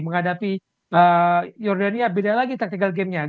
menghadapi jordania beda lagi taktikal gamenya